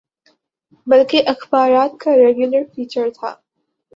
بلکہ اخبارات کا ریگولر فیچر تھا۔